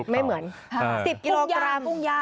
ไม่เหมือนไก่ย่างถูกเผา